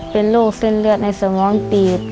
เป็นรูปซึ่งเลือดในสมองตีด